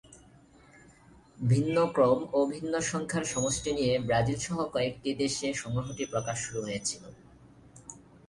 ভিন্ন ক্রম ও ভিন্ন সংখ্যার সমষ্টি নিয়ে ব্রাজিল সহ কয়েকটি দেশে সংগ্রহটি প্রকাশ শুরু হয়েছিল।